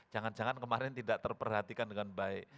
jangan jangan kemarin tidak terperhatikan dengan baik